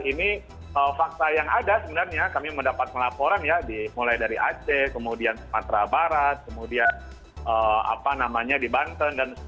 ini fakta yang ada sebenarnya kami mendapat laporan ya mulai dari aceh kemudian sumatera barat kemudian apa namanya di banten